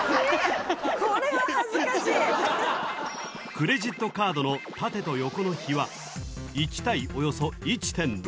クレジットカードの縦と横の比は１対およそ１．６。